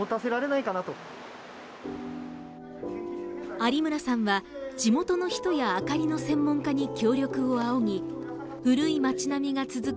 有村さんは地元の人や明かりの専門家に協力を仰ぎ古い町並みが続く